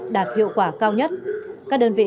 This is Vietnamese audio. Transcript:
đạt hiệu quả cao nhất các đơn vị